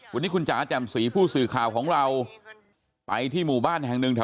วันนี้คุณจ๋าแจ่มสีผู้สื่อข่าวของเราไปที่หมู่บ้านแห่งหนึ่ง